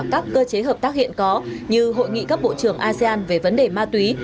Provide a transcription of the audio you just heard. các cơ chế hợp tác hiện có như hội nghị các bộ trưởng asean về vấn đề ma túy